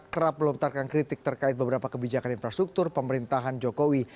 kerap melontarkan kritik terkait beberapa kebijakan infrastruktur pemerintahan jokowi